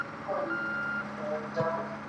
هر انسان د خپل عمل ځواب ویونکی دی.